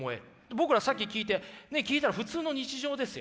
僕らさっき聞いたら普通の日常ですよ。